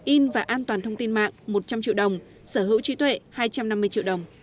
in và an toàn thông tin mạng một trăm linh triệu đồng sở hữu trí tuệ hai trăm năm mươi triệu đồng